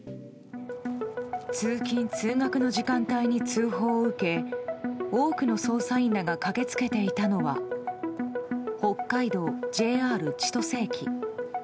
通勤・通学の時間帯に通報を受け多くの捜査員らが駆け付けていたのは北海道ＪＲ千歳駅。